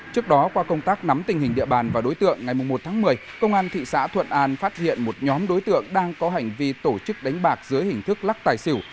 trước đó qua công tác nắm tình hình địa bàn và đối tượng ngày một tháng một mươi công an thị xã thuận an phát hiện một nhóm đối tượng đang có hành vi tổ chức đánh bạc dưới hình thức lắc tài xỉu